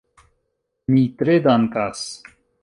Mi tre dankas.